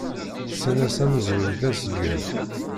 Ssan-as amezruy d asgen.